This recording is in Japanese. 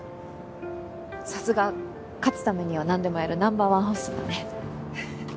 さすが勝つためには何でもやるナンバー１ホストだねははっ。